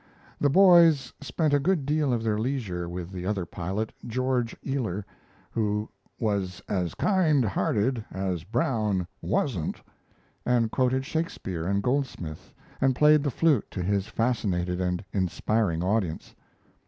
The boys spent a good deal of their leisure with the other pilot, George Ealer, who "was as kindhearted as Brown wasn't," and quoted Shakespeare and Goldsmith, and played the flute to his fascinated and inspiring audience.